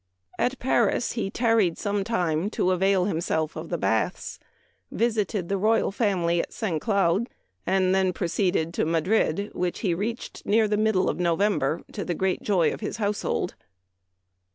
At Paris he tarried some time to avail himself of the baths, visited the royal family at St. Cloud, and then proceeded to Madrid, which he reached near the middle of November, to the great joy of his household."